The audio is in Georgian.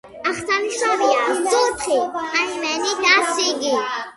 აღსანიშნავია: ზუთხი, ტაიმენი და სიგი.